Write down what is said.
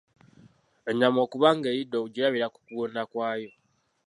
Ennyama okuba nga eyidde ogirabira mu kugonda kwayo.